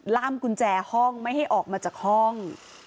ล่ามกุญแจห้องไม่ให้ออกมาจากห้อง